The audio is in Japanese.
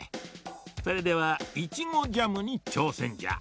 それではイチゴジャムにちょうせんじゃ。